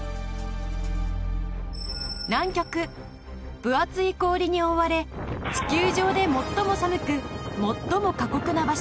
分厚い氷に覆われ地球上で最も寒く最も過酷な場所。